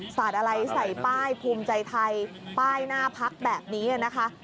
สาดอะไรใส่ป้ายภูมิใจไทยป้ายหน้าพักแบบนี้นะคะ